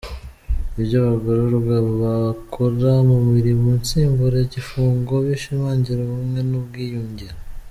Ibyo abagororwa bakora mu mirimo nsimbura gifungo bishimangira ubumwe n’ubwiyunge